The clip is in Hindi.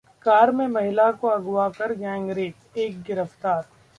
कार में महिला को अगवा कर गैंगरेप, एक गिरफ्तार